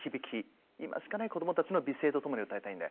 今しかないこどもたちの美声とともに歌いたいんで。